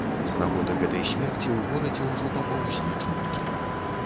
З нагоды гэтай смерці ў горадзе ўжо папаўзлі чуткі.